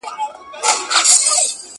څمڅه په ځان غره سوه، چي په دې اوگره سړه سوه.